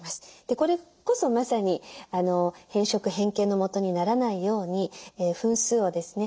これこそまさに変色変形のもとにならないように分数をですね